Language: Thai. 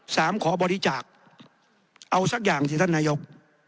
ขอบริจาคเอาสักอย่างที่ท่านนายก